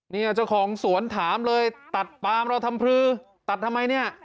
เนี่ยเจ้าของสวนถามเลยตัดปามเราทำพลือตัดทำไมเนี่ย